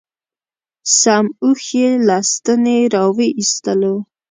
سم اوښ یې له ستنې را و ایستلو.